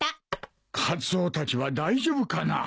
カツオたちは大丈夫かな。